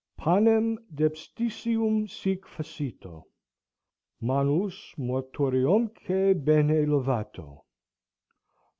"Panem depsticium sic facito. Manus mortariumque bene lavato.